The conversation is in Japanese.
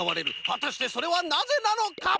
はたしてそれはなぜなのか！？